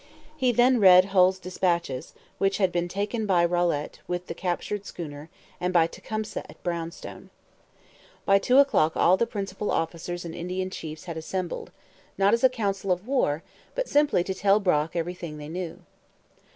He then read Hull's dispatches, which had been taken by Rolette with the captured schooner and by Tecumseh at Brownstown. By two o'clock all the principal officers and Indian chiefs had assembled, not as a council of war, but simply to tell Brock everything they knew.